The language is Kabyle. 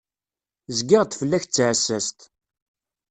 Zgiɣ-d fell-ak d taɛessast.